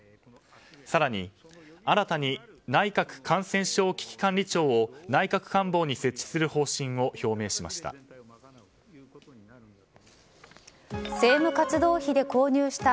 更に、新たに内閣感染症危機管理庁を内閣官房に設置する方針を表明しました。